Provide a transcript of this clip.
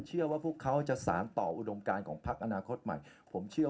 เชื่อว่าพวกเขาจะสารต่ออุดมการของพักอนาคตใหม่ผมเชื่อ